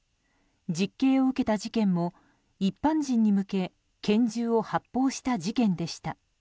実刑を受けた事件も一般人に向け拳銃を発砲した事件でした。